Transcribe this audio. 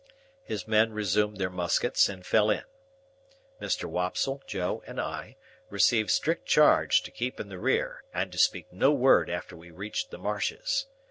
His men resumed their muskets and fell in. Mr. Wopsle, Joe, and I, received strict charge to keep in the rear, and to speak no word after we reached the marshes.